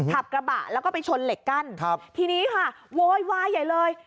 ขับกระบะแล้วก็ไปชนเหล็กกั้นครับทีนี้ค่ะโวยวายใหญ่เลย